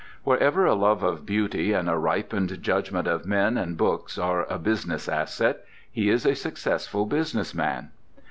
Wherever a love of beauty and a ripened judgment of men and books are a business asset, he is a successful business man.